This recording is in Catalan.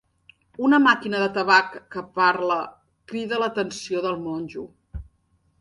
Una màquina de tabac que parla crida l'atenció del monjo.